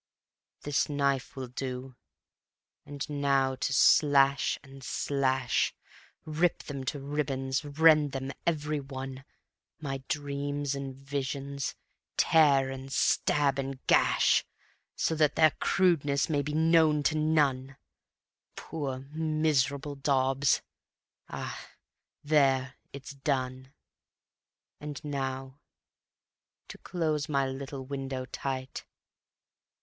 ... This knife will do ... and now to slash and slash; Rip them to ribands, rend them every one, My dreams and visions tear and stab and gash, So that their crudeness may be known to none; Poor, miserable daubs! Ah! there, it's done. ... And now to close my little window tight.